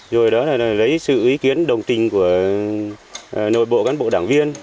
rồi đó là lấy sự ý kiến đồng tình của nội bộ cán bộ đảng viên